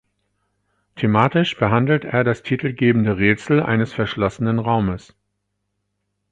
Thematisch behandelt er das titelgebende Rätsel eines verschlossenen Raumes.